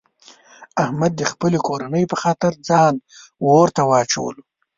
احمد د خپلې کورنۍ په خاطر ځان اورته واچولو.